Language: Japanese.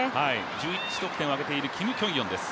１１得点を挙げているキム・キョンヨンです。